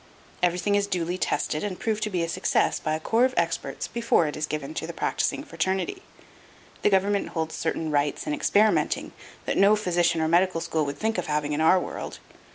Everything is duly tested and proved to be a success by a corps of experts before it is given to the practicing fraternity. The government holds certain rights in experimenting that no physician or medical school would think of having in our world.